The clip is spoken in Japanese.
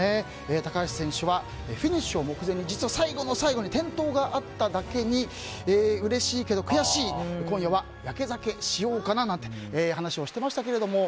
高橋選手はフィニッシュを目前に最後の最後に転倒があっただけにうれしいけど悔しい今夜はやけ酒しようかななんて話をしていましたけど。